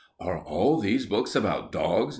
"Are all these books about dogs?"